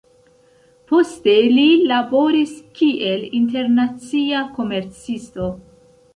Poste li laboris kiel internacia komercisto.